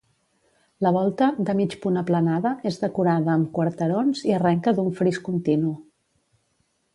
La volta, de mig punt aplanada, és decorada amb quarterons i arrenca d'un fris continu.